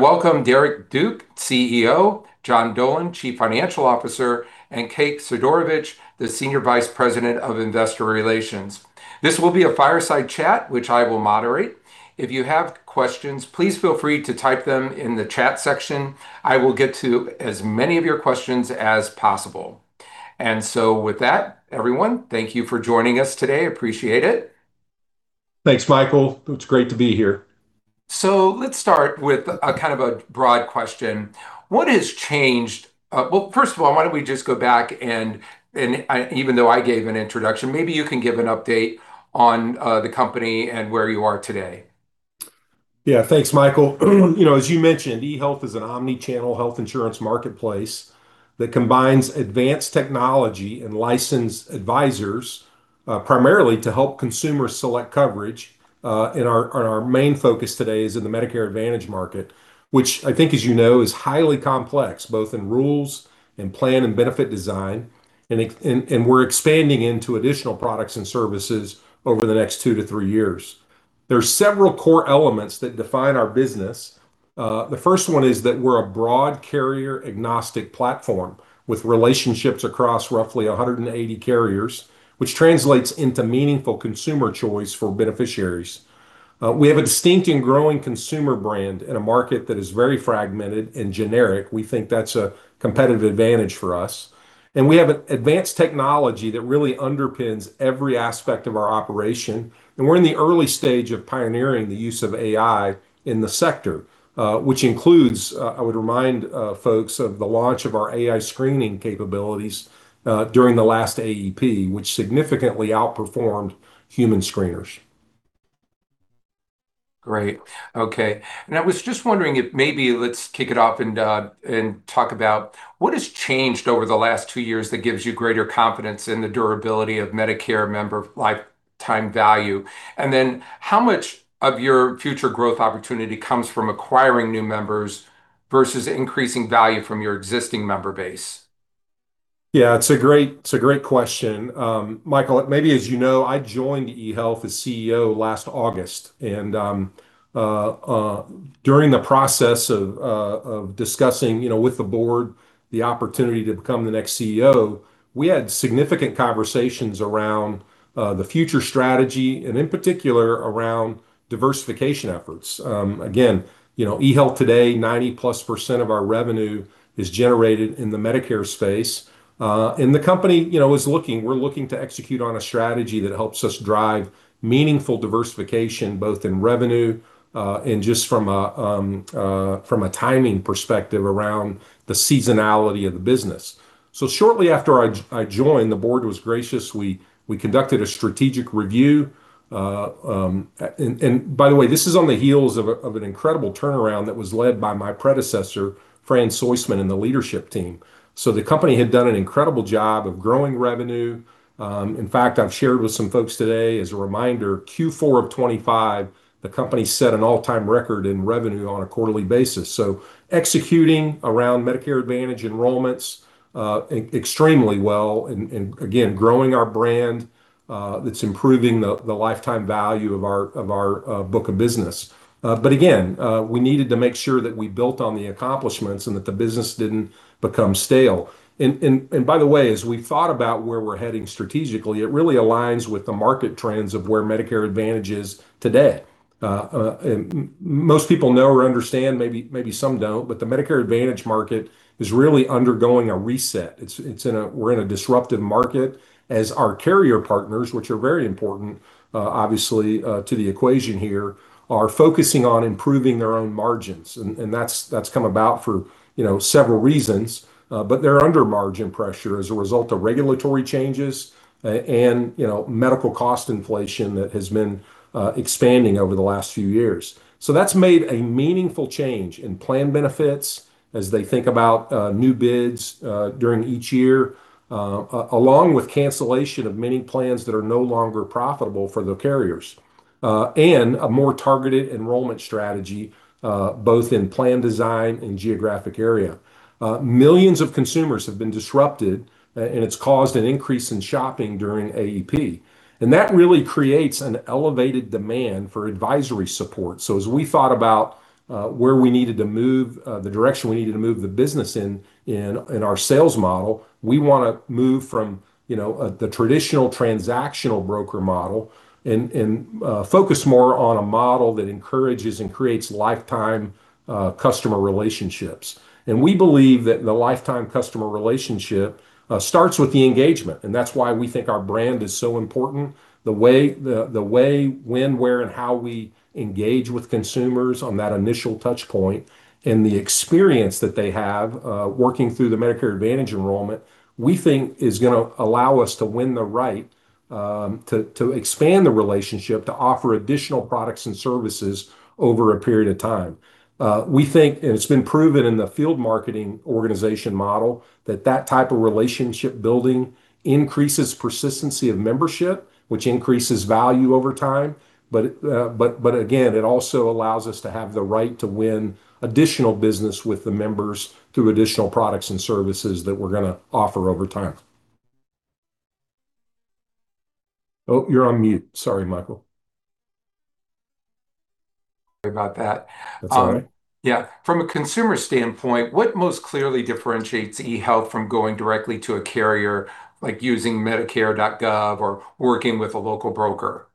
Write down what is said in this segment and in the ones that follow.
I welcome Derrick Duke, CEO, John Dolan, Chief Financial Officer, and Kate Sidorovich, the Senior Vice President of Investor Relations. This will be a fireside chat, which I will moderate. If you have questions, please feel free to type them in the chat section. I will get to as many of your questions as possible. With that, everyone, thank you for joining us today. Appreciate it. Thanks, [Michael]. It's great to be here. Let's start with a kind of a broad question. First of all, why don't we just go back, and even though I gave an introduction, maybe you can give an update on the company and where you are today. Yeah. Thanks, [Michael]. As you mentioned, eHealth is an omnichannel health insurance marketplace that combines advanced technology and licensed advisors, primarily to help consumers select coverage. Our main focus today is in the Medicare Advantage market, which I think as you know, is highly complex, both in rules and plan and benefit design, and we're expanding into additional products and services over the next two to three years. There's several core elements that define our business. The first one is that we're a broad carrier-agnostic platform with relationships across roughly 180 carriers, which translates into meaningful consumer choice for beneficiaries. We have a distinct and growing consumer brand in a market that is very fragmented and generic. We think that's a competitive advantage for us, and we have advanced technology that really underpins every aspect of our operation, and we're in the early stage of pioneering the use of AI in the sector, which includes, I would remind folks, of the launch of our AI screening capabilities, during the last AEP, which significantly outperformed human screeners. Great. Okay. I was just wondering if maybe let's kick it off and talk about what has changed over the last two years that gives you greater confidence in the durability of Medicare member lifetime value. How much of your future growth opportunity comes from acquiring new members versus increasing value from your existing member base? It's a great question. [Michael], as you know, I joined eHealth as CEO last August, during the process of discussing with the board the opportunity to become the next CEO, we had significant conversations around the future strategy and in particular around diversification efforts. eHealth today, 90%+ of our revenue is generated in the Medicare space. The company, we're looking to execute on a strategy that helps us drive meaningful diversification, both in revenue, and just from a timing perspective around the seasonality of the business. Shortly after I joined, the board was gracious. We conducted a strategic review. By the way, this is on the heels of an incredible turnaround that was led by my predecessor, Fran Soistman, and the leadership team. The company had done an incredible job of growing revenue. In fact, I've shared with some folks today, as a reminder, Q4 of 2025, the company set an all-time record in revenue on a quarterly basis. Executing around Medicare Advantage enrollments extremely well, and again, growing our brand, that's improving the lifetime value of our book of business. Again, we needed to make sure that we built on the accomplishments and that the business didn't become stale. By the way, as we thought about where we're heading strategically, it really aligns with the market trends of where Medicare Advantage is today. Most people know or understand, maybe some don't, but the Medicare Advantage market is really undergoing a reset. We're in a disruptive market as our carrier partners, which are very important, obviously, to the equation here, are focusing on improving their own margins, and that's come about for several reasons. They're under margin pressure as a result of regulatory changes, and medical cost inflation that has been expanding over the last few years. That's made a meaningful change in plan benefits as they think about new bids during each year, along with cancellation of many plans that are no longer profitable for the carriers, and a more targeted enrollment strategy, both in plan design and geographic area. Millions of consumers have been disrupted, and it's caused an increase in shopping during AEP. That really creates an elevated demand for advisory support. As we thought about the direction we needed to move the business in our sales model, we want to move from the traditional transactional broker model and focus more on a model that encourages and creates lifetime customer relationships. We believe that the lifetime customer relationship starts with the engagement, and that's why we think our brand is so important. The way, when, where, and how we engage with consumers on that initial touch point and the experience that they have working through the Medicare Advantage enrollment, we think is going to allow us to win the right to expand the relationship to offer additional products and services over a period of time. We think, and it's been proven in the field marketing organization model, that type of relationship building increases persistency of membership, which increases value over time. Again, it also allows us to have the right to win additional business with the members through additional products and services that we're going to offer over time. Oh, you're on mute. Sorry, [Michael]. Sorry about that. That's all right. Yeah. From a consumer standpoint, what most clearly differentiates eHealth from going directly to a carrier, like using Medicare.gov or working with a local broker?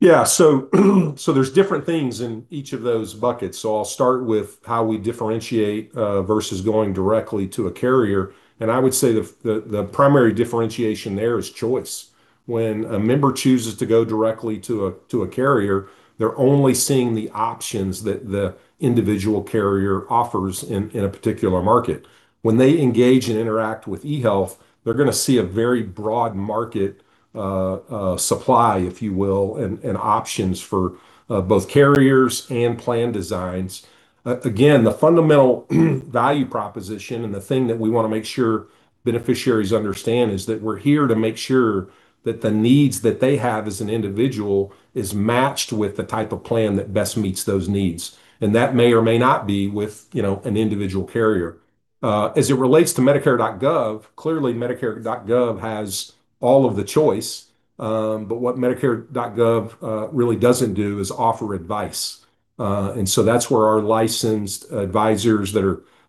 Yeah. There's different things in each of those buckets. I'll start with how we differentiate versus going directly to a carrier. I would say the primary differentiation there is choice. When a member chooses to go directly to a carrier, they're only seeing the options that the individual carrier offers in a particular market. When they engage and interact with eHealth, they're going to see a very broad market supply, if you will, and options for both carriers and plan designs. Again, the fundamental value proposition and the thing that we want to make sure beneficiaries understand is that we're here to make sure that the needs that they have as an individual is matched with the type of plan that best meets those needs. That may or may not be with an individual carrier. It relates to Medicare.gov, clearly Medicare.gov has all of the choice, what Medicare.gov really doesn't do is offer advice. That's where our licensed advisors that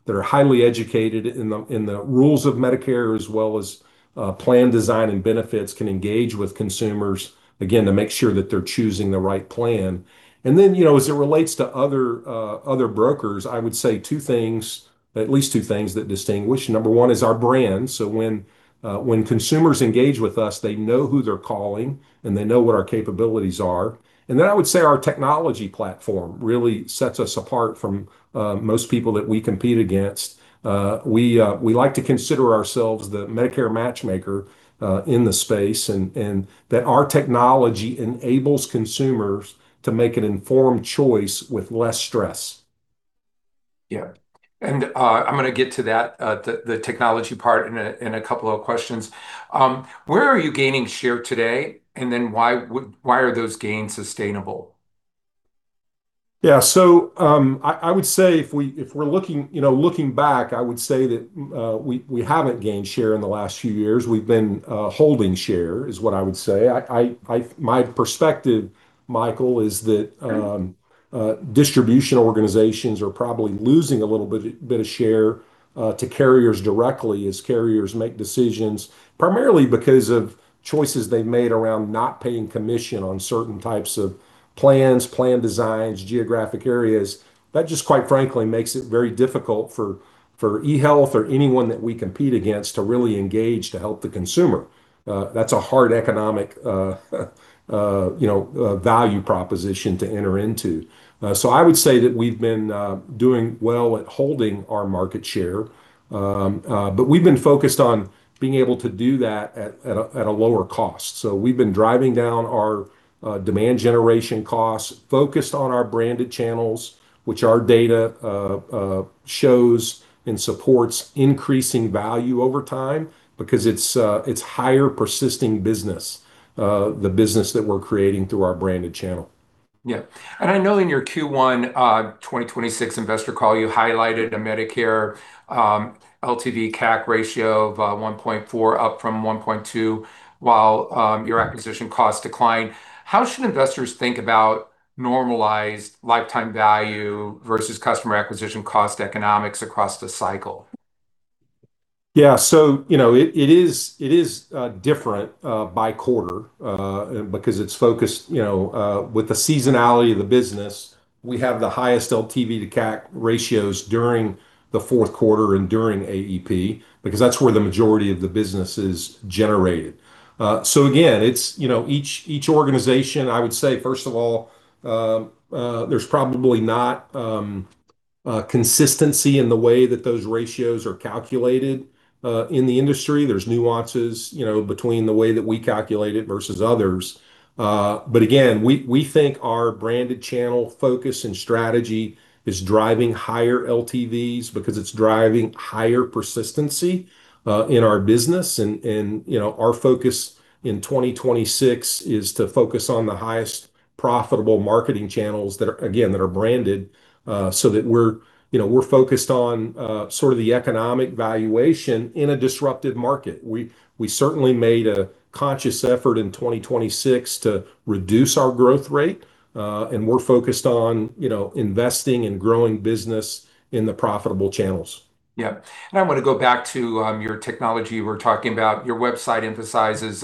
are highly educated in the rules of Medicare as well as plan design and benefits can engage with consumers, again, to make sure that they're choosing the right plan. As it relates to other brokers, I would say two things, at least two things that distinguish. Number one is our brand. When consumers engage with us, they know who they're calling, and they know what our capabilities are. I would say our technology platform really sets us apart from most people that we compete against. We like to consider ourselves the Medicare matchmaker in the space, that our technology enables consumers to make an informed choice with less stress. Yeah. I'm going to get to that, the technology part, in a couple of questions. Where are you gaining share today, why are those gains sustainable? Yeah. I would say if we're looking back, I would say that we haven't gained share in the last few years. We've been holding share is what I would say. My perspective, [Michael], is that- Okay. -distribution organizations are probably losing a little bit of share to carriers directly as carriers make decisions, primarily because of choices they've made around not paying commission on certain types of plans, plan designs, geographic areas. That just quite frankly makes it very difficult for eHealth or anyone that we compete against to really engage to help the consumer. That's a hard economic value proposition to enter into. I would say that we've been doing well at holding our market share, but we've been focused on being able to do that at a lower cost. We've been driving down our demand generation costs, focused on our branded channels, which our data shows and supports increasing value over time because it's higher persisting business, the business that we're creating through our branded channel. Yeah. I know in your Q1 2026 investor call, you highlighted a Medicare LTV CAC ratio of 1.4 up from 1.2, while your acquisition costs declined. How should investors think about normalized lifetime value versus customer acquisition cost economics across the cycle? Yeah. It is different by quarter because it's focused with the seasonality of the business. We have the highest LTV to CAC ratios during the fourth quarter and during AEP, because that's where the majority of the business is generated. Each organization, I would say, first of all, there's probably not consistency in the way that those ratios are calculated in the industry. There's nuances between the way that we calculate it versus others. We think our branded channel focus and strategy is driving higher LTVs because it's driving higher persistency in our business. Our focus in 2026 is to focus on the highest profitable marketing channels, again, that are branded, so that we're focused on sort of the economic valuation in a disruptive market. We certainly made a conscious effort in 2026 to reduce our growth rate. We're focused on investing and growing business in the profitable channels. Yeah. I want to go back to your technology we're talking about. Your website emphasizes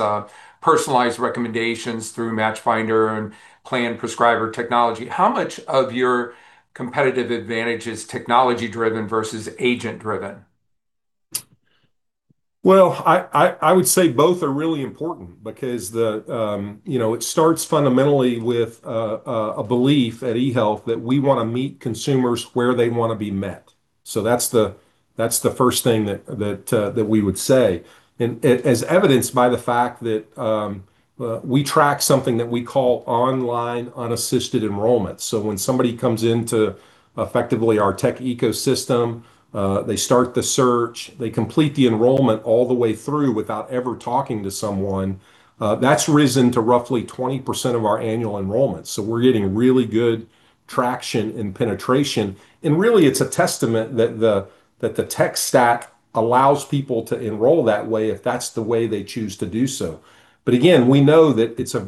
personalized recommendations through MatchFinder and PlanPrescriber technology. How much of your competitive advantage is technology-driven versus agent-driven? I would say both are really important because it starts fundamentally with a belief at eHealth that we want to meet consumers where they want to be met. That's the first thing that we would say. As evidenced by the fact that we track something that we call online unassisted enrollment. When somebody comes into effectively our tech ecosystem, they start the search, they complete the enrollment all the way through without ever talking to someone, that's risen to roughly 20% of our annual enrollment. We're getting really good traction and penetration, and really it's a testament that the tech stack allows people to enroll that way if that's the way they choose to do so. Again, we know that it's a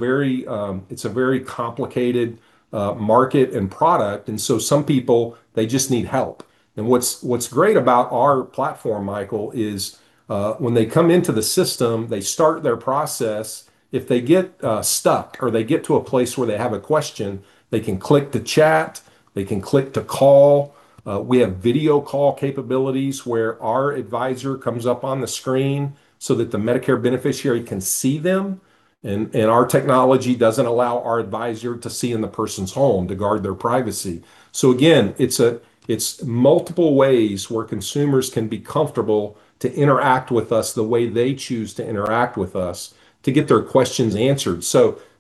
very complicated market and product, and so some people, they just need help. What's great about our platform, [Michael], is when they come into the system, they start their process. If they get stuck or they get to a place where they have a question, they can click the chat, they can click to call. We have video call capabilities where our advisor comes up on the screen so that the Medicare beneficiary can see them, and our technology doesn't allow our advisor to see in the person's home to guard their privacy. Again, it's multiple ways where consumers can be comfortable to interact with us the way they choose to interact with us to get their questions answered.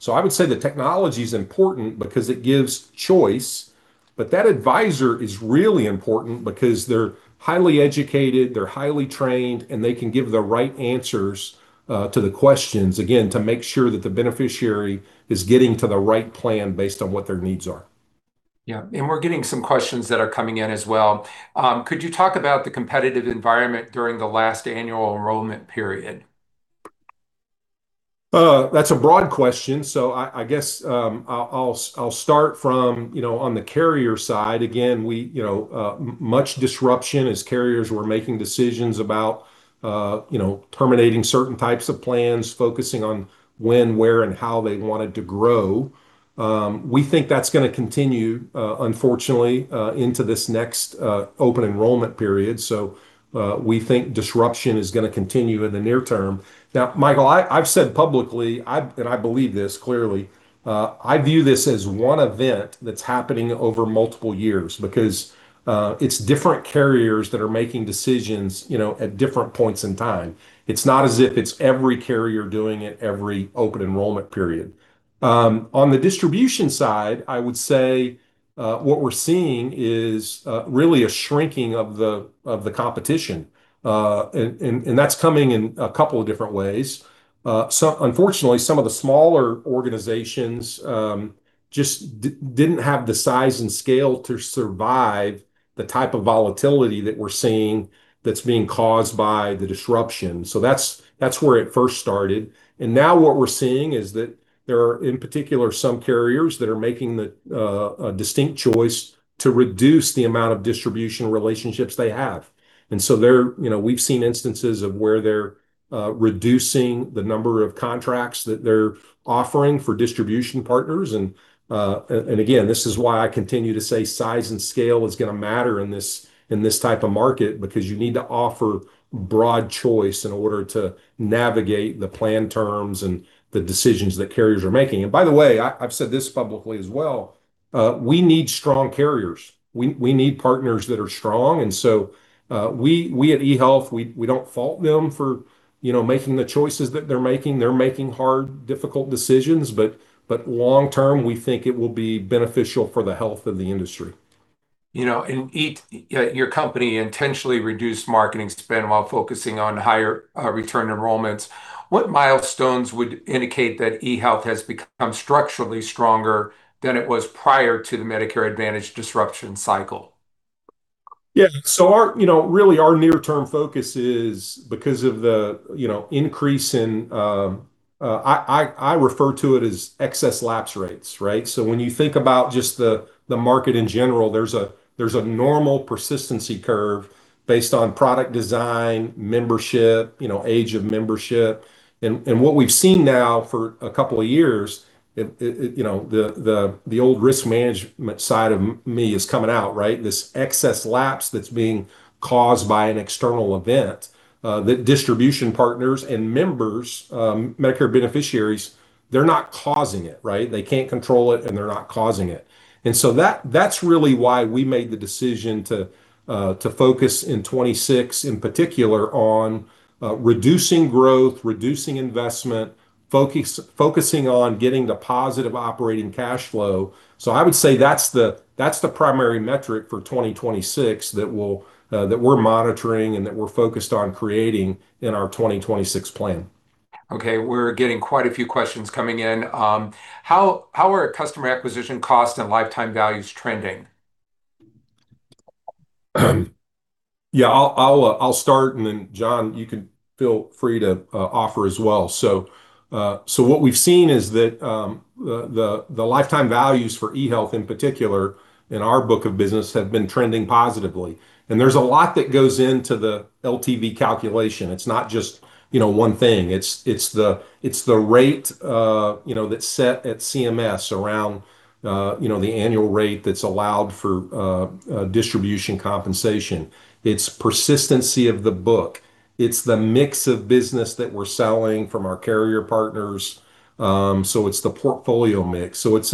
I would say the technology's important because it gives choice, but that advisor is really important because they're highly educated, they're highly trained, and they can give the right answers to the questions, again, to make sure that the beneficiary is getting to the right plan based on what their needs are. Yeah. We're getting some questions that are coming in as well. Could you talk about the competitive environment during the last annual enrollment period? That's a broad question. I guess I'll start from on the carrier side, again, much disruption as carriers were making decisions about terminating certain types of plans, focusing on when, where, and how they wanted to grow. We think that's going to continue, unfortunately, into this next open enrollment period. We think disruption is going to continue in the near term. Now, [Michael], I've said publicly, and I believe this clearly, I view this as one event that's happening over multiple years because it's different carriers that are making decisions at different points in time. It's not as if it's every carrier doing it every open enrollment period. On the distribution side, I would say what we're seeing is really a shrinking of the competition. That's coming in a couple of different ways. Unfortunately, some of the smaller organizations just didn't have the size and scale to survive the type of volatility that we're seeing that's being caused by the disruption. That's where it first started. Now what we're seeing is that there are, in particular, some carriers that are making a distinct choice to reduce the amount of distribution relationships they have. We've seen instances of where they're reducing the number of contracts that they're offering for distribution partners, and again, this is why I continue to say size and scale is going to matter in this type of market because you need to offer broad choice in order to navigate the plan terms and the decisions that carriers are making. By the way, I've said this publicly as well, we need strong carriers. We need partners that are strong. We at eHealth, we don't fault them for making the choices that they're making. They're making hard, difficult decisions, but long term, we think it will be beneficial for the health of the industry. Your company intentionally reduced marketing spends while focusing on higher return enrollments. What milestones would indicate that eHealth has become structurally stronger than it was prior to the Medicare Advantage disruption cycle? Really our near-term focus is because of the increase in I refer to it as excess lapse rates, right? When you think about just the market in general, there's a normal persistency curve based on product design, membership, age of membership. What we've seen now for a couple of years, the old risk management side of me is coming out, right? This excess lapse that's being caused by an external event, that distribution partners and members, Medicare beneficiaries, they're not causing it, right? They can't control it, they're not causing it. That's really why we made the decision to focus in 2026, in particular, on reducing growth, reducing investment, focusing on getting to positive operating cash flow. I would say that's the primary metric for 2026 that we're monitoring and that we're focused on creating in our 2026 plan. We're getting quite a few questions coming in. How are customer acquisition cost and lifetime values trending? I'll start, and then John, you can feel free to offer as well. What we've seen is that the lifetime values for eHealth in particular, in our book of business, have been trending positively, and there's a lot that goes into the LTV calculation. It's not just one thing. It's the rate that's set at CMS around the annual rate that's allowed for distribution compensation. It's persistency of the book. It's the mix of business that we're selling from our carrier partners. It's the portfolio mix. It's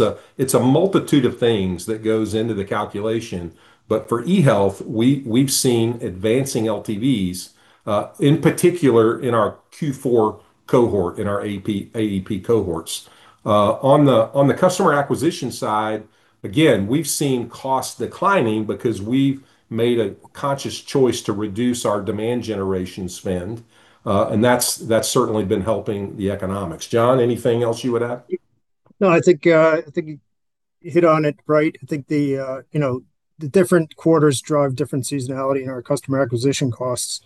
a multitude of things that goes into the calculation. For eHealth, we've seen advancing LTVs, in particular in our Q4 cohort, in our AEP cohorts. On the customer acquisition side, again, we've seen costs declining because we've made a conscious choice to reduce our demand generation spend. That's certainly been helping the economics. John, anything else you would add? No, I think. You hit on it right. I think the different quarters drive different seasonality in our customer acquisition costs.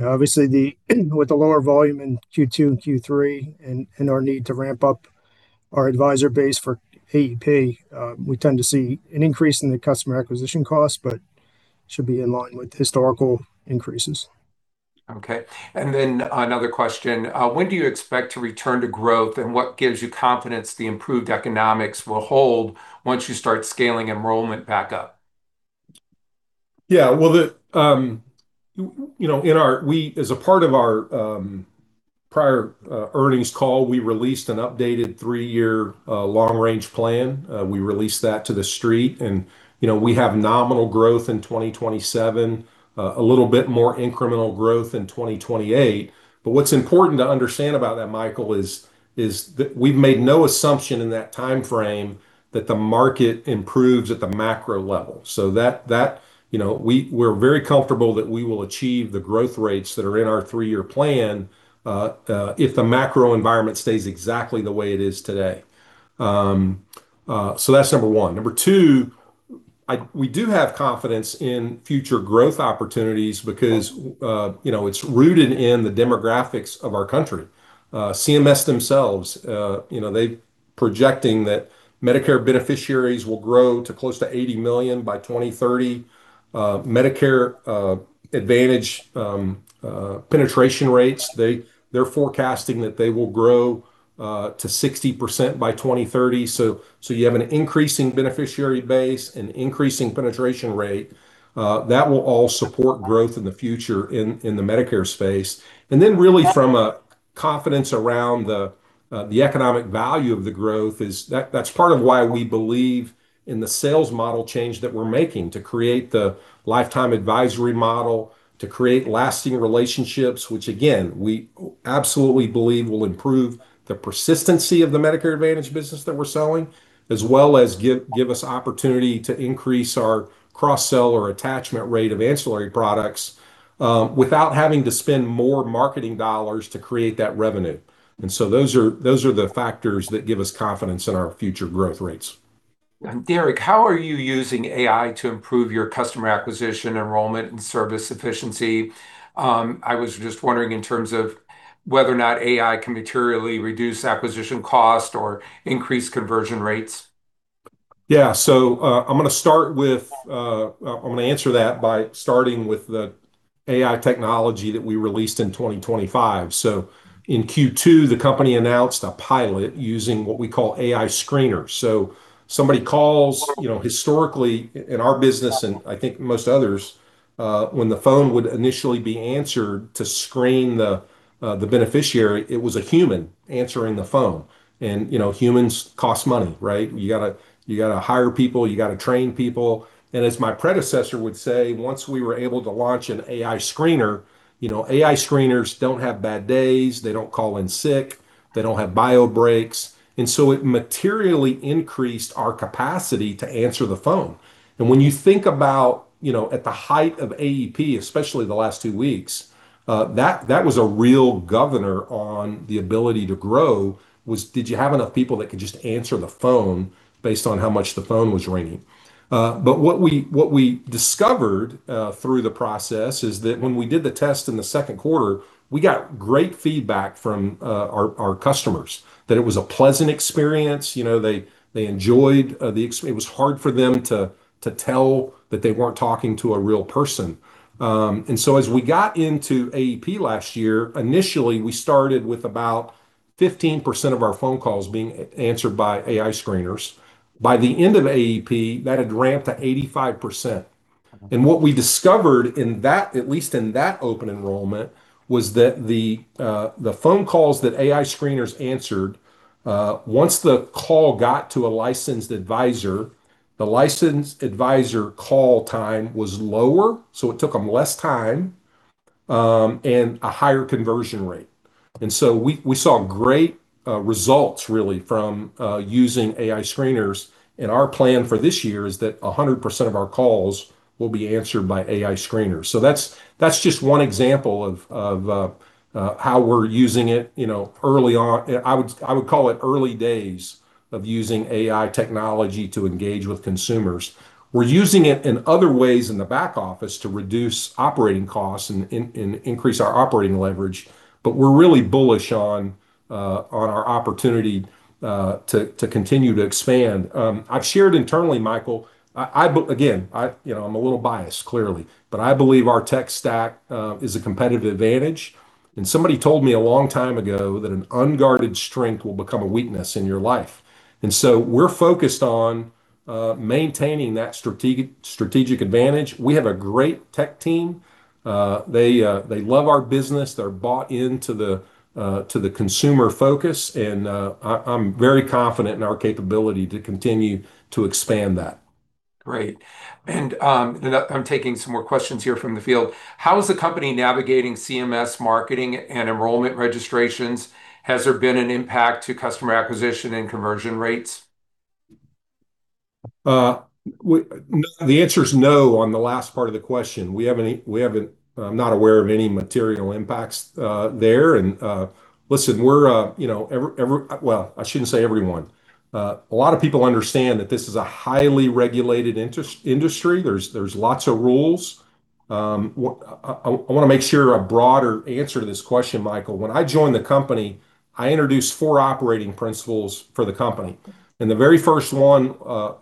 Obviously, with the lower volume in Q2 and Q3 and our need to ramp up our advisor base for AEP, we tend to see an increase in the customer acquisition cost, but should be in line with historical increases. Okay. Another question, when do you expect to return to growth, and what gives you confidence the improved economics will hold once you start scaling enrollment back up? Yeah. As a part of our prior earnings call, we released an updated three-year long-range plan. We released that to the Street, we have nominal growth in 2027. A little bit more incremental growth in 2028. What's important to understand about that, [Michael], is that we've made no assumption in that timeframe that the market improves at the macro level. We're very comfortable that we will achieve the growth rates that are in our three-year plan if the macro environment stays exactly the way it is today. That's number one. Number two, we do have confidence in future growth opportunities because it's rooted in the demographics of our country. CMS themselves, they're projecting that Medicare beneficiaries will grow to close to 80 million by 2030. Medicare Advantage penetration rates, they're forecasting that they will grow to 60% by 2030. You have an increasing beneficiary base and increasing penetration rate, that will all support growth in the future in the Medicare space. Really from a confidence around the economic value of the growth is that's part of why we believe in the sales model change that we're making to create the lifetime advisory model, to create lasting relationships, which again, we absolutely believe will improve the persistency of the Medicare Advantage business that we're selling, as well as give us opportunity to increase our cross-sell or attachment rate of ancillary products, without having to spend more marketing dollars to create that revenue. Those are the factors that give us confidence in our future growth rates. Derrick, how are you using AI to improve your customer acquisition, enrollment, and service efficiency? I was just wondering in terms of whether or not AI can materially reduce acquisition cost or increase conversion rates. Yeah. I'm going to answer that by starting with the AI technology that we released in 2025. In Q2, the company announced a pilot using what we call AI screeners. Somebody calls, historically in our business, and I think most others, when the phone would initially be answered to screen the beneficiary, it was a human answering the phone. Humans cost money, right? You got to hire people, you got to train people. As my predecessor would say, once we were able to launch an AI screener, AI screeners don't have bad days, they don't call in sick, they don't have bio breaks. It materially increased our capacity to answer the phone. When you think about at the height of AEP, especially the last two weeks, that was a real governor on the ability to grow was did you have enough people that could just answer the phone based on how much the phone was ringing? What we discovered, through the process, is that when we did the test in the second quarter, we got great feedback from our customers that it was a pleasant experience. It was hard for them to tell that they weren't talking to a real person. As we got into AEP last year, initially, we started with about 15% of our phone calls being answered by AI screeners. By the end of AEP, that had ramped to 85%. What we discovered in that, at least in that open enrollment, was that the phone calls that AI screeners answered, once the call got to a licensed advisor, the licensed advisor call time was lower, so it took them less time, and a higher conversion rate. We saw great results really from using AI screeners, and our plan for this year is that 100% of our calls will be answered by AI screeners. That's just one example of how we're using it early on. I would call it early days of using AI technology to engage with consumers. We're using it in other ways in the back office to reduce operating costs and increase our operating leverage. We're really bullish on our opportunity to continue to expand. I've shared internally, [Michael], again, I'm a little biased clearly, I believe our tech stack is a competitive advantage. Somebody told me a long time ago that an unguarded strength will become a weakness in your life. We're focused on maintaining that strategic advantage. We have a great tech team. They love our business. They're bought into the consumer focus, and I'm very confident in our capability to continue to expand that. Great. I'm taking some more questions here from the field. How is the company navigating CMS marketing and enrollment registrations? Has there been an impact to customer acquisition and conversion rates? The answer is no on the last part of the question. I'm not aware of any material impacts there. Listen, well, I shouldn't say everyone. A lot of people understand that this is a highly regulated industry. There's lots of rules. I want to make sure a broader answer to this question, [Michael]. When I joined the company, I introduced four operating principles for the company. The very first one,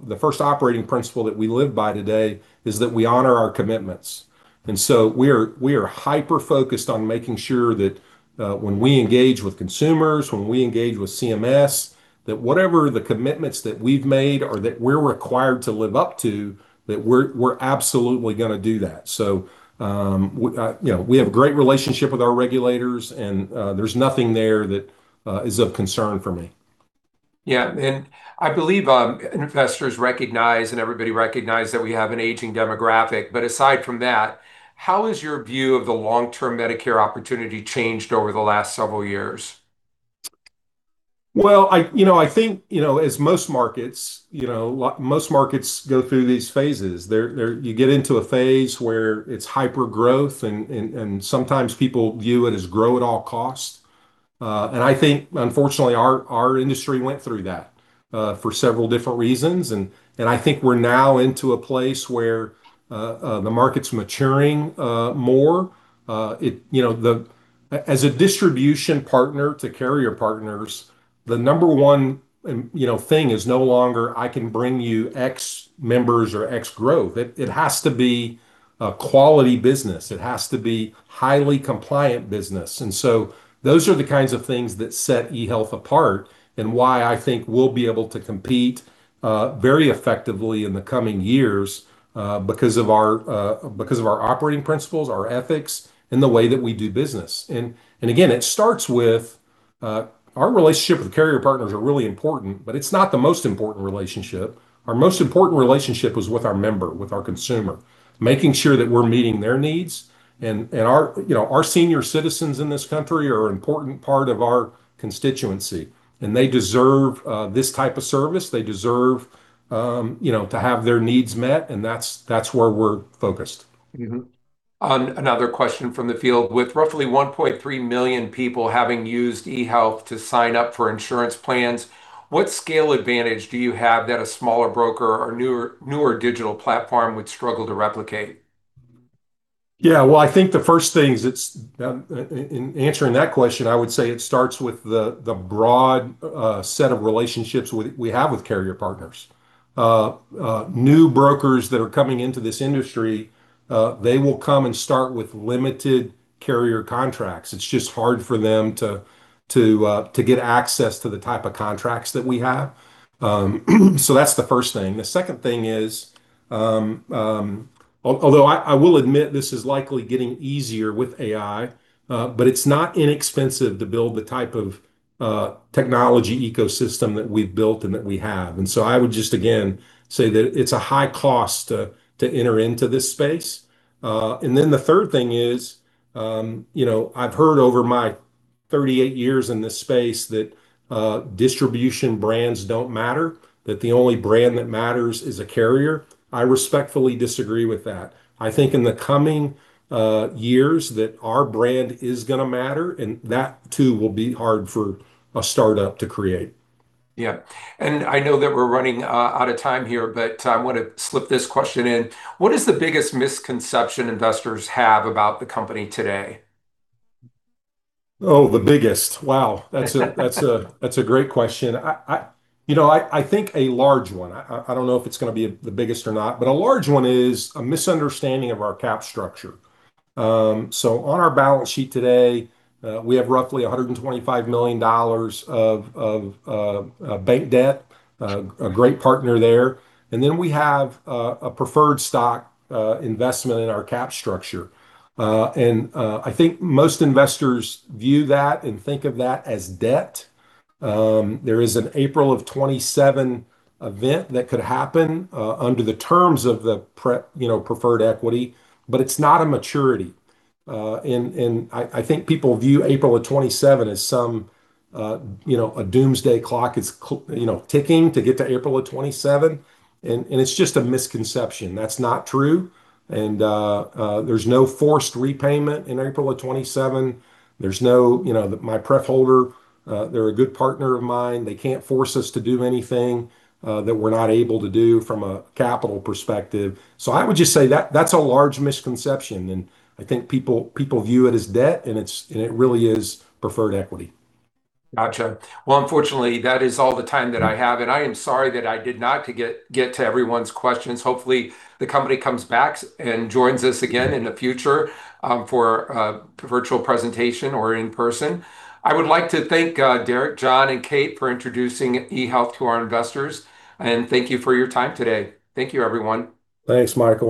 the first operating principle that we live by today is that we honor our commitments. We are hyper-focused on making sure that when we engage with consumers, when we engage with CMS, that whatever the commitments that we've made or that we're required to live up to, that we're absolutely going to do that. We have a great relationship with our regulators, and there's nothing there that is of concern for me. Yeah. I believe investors recognize, and everybody recognizes that we have an aging demographic. Aside from that, how has your view of the long-term Medicare opportunity changed over the last several years? Well, I think, as most markets, most markets go through these phases. You get into a phase where it's hyper-growth and sometimes people view it as grow at all costs. I think, unfortunately, our industry went through that for several different reasons, and I think we're now into a place where the market's maturing more. As a distribution partner to carrier partners, the number one thing is no longer I can bring you X members or X growth. It has to be a quality business. It has to be highly compliant business. Those are the kinds of things that set eHealth apart and why I think we'll be able to compete very effectively in the coming years, because of our operating principles, our ethics, and the way that we do business. Again, it starts with our relationship with carrier partners are really important, but it's not the most important relationship. Our most important relationship is with our member, with our consumer, making sure that we're meeting their needs, and our senior citizens in this country are an important part of our constituency, and they deserve this type of service. They deserve to have their needs met, and that's where we're focused. Another question from the field. With roughly 1.3 million people having used eHealth to sign up for insurance plans, what scale advantage do you have that a smaller broker or newer digital platform would struggle to replicate? I think the first thing is in answering that question, I would say it starts with the broad set of relationships we have with carrier partners. New brokers that are coming into this industry, they will come and start with limited carrier contracts. It's just hard for them to get access to the type of contracts that we have. That's the first thing. The second thing is, although I will admit this is likely getting easier with AI, it's not inexpensive to build the type of technology ecosystem that we've built and that we have. I would just, again, say that it's a high cost to enter into this space. The third thing is, I've heard over my 38 years in this space that distribution brands don't matter, that the only brand that matters is a carrier. I respectfully disagree with that. I think in the coming years that our brand is going to matter, and that too will be hard for a startup to create. Yeah. I know that we're running out of time here, but I want to slip this question in. What is the biggest misconception investors have about the company today? Oh, the biggest. Wow. That's a great question. I think a large one, I don't know if it's going to be the biggest or not, but a large one is a misunderstanding of our cap structure. On our balance sheet today, we have roughly $125 million of bank debt. A great partner there. We have a preferred stock investment in our cap structure. I think most investors view that and think of that as debt. There is an April of 2027 event that could happen under the terms of the preferred equity, but it's not a maturity. I think people view April of 2027 as some doomsday clock is ticking to get to April of 2027, and it's just a misconception. That's not true. There's no forced repayment in April of 2027. My pref holder, they're a good partner of mine. They can't force us to do anything that we're not able to do from a capital perspective. I would just say that's a large misconception, and I think people view it as debt, and it really is preferred equity. Got you. Well, unfortunately, that is all the time that I have, and I am sorry that I did not get to everyone's questions. Hopefully, the company comes back and joins us again in the future for a virtual presentation or in person. I would like to thank Derrick, John, and Kate for introducing eHealth to our investors, and thank you for your time today. Thank you everyone. Thanks, [Michael].